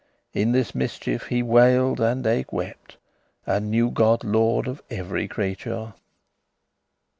In this mischief he wailed and eke wept, And knew God Lord of every creature.